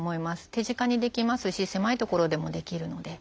手近にできますし狭い所でもできるので。